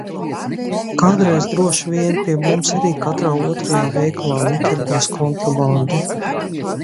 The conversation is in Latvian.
Kādreiz droši vien pie mums arī katrā otrajā veikalā netirgos kontrabandu.